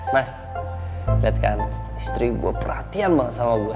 mas liat kan istri gue perhatian banget sama gue